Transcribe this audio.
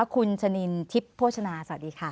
คุณชะนินทิพย์โภชนาสวัสดีค่ะ